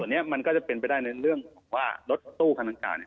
ส่วนนี้มันก็จะเป็นไปได้ในเรื่องว่ารถตู้ขนาดนี้